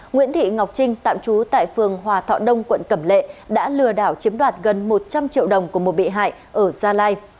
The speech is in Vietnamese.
nguyễn thị ngọc trinh tạm trú tại phường hòa thọ đông quận cẩm lệ đã lừa đảo chiếm đoạt gần một trăm linh triệu đồng của một bị hại ở gia lai